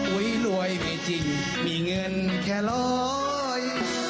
รวยไม่จริงมีเงินแค่ร้อย